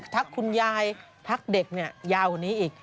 พักคุณยายทักเด็กยาวกว่านี้อีก